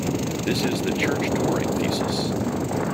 This is the Church-Turing thesis.